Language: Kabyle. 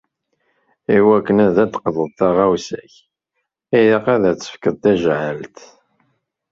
I wakken ad d-teqḍuḍ taɣawsa-k, ilaq ad tefkeḍ tajɛelt.